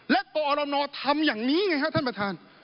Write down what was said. และกอรณทำอย่างนี้ไงฮะท่านประธาน